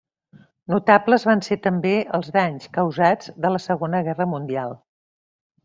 Notables van ser també els danys causats de la Segona Guerra Mundial.